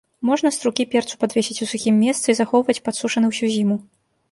Можна струкі перцу падвесіць у сухім месцы і захоўваць падсушаны ўсю зіму.